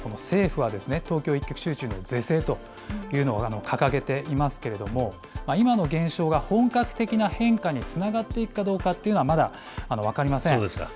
政府は東京一極集中の是正というのを掲げていますけれども、今のげんしょうが本格的な変化につながっていくかどうかっていうのはまだ分かりません。